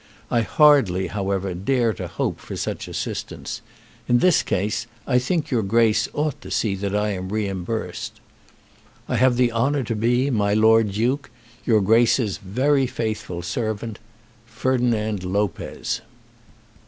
I hardly, however, dare to hope for such assistance. In this case I think your Grace ought to see that I am reimbursed. I have the honour to be, My Lord Duke, Your Grace's very faithful Servant, FERDINAND LOPEZ.